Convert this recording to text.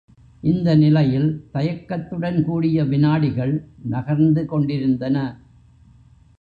இந்த நிலையில் தயக்கத்துடன் கூடிய விநாடிகள் நகர்ந்து கொண்டிருந்தன.